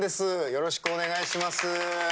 よろしくお願いします。